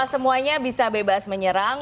semuanya bisa bebas menyerang